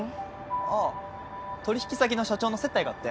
あっ取引先の社長の接待があって。